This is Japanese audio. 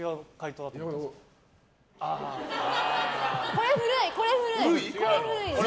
これ古い！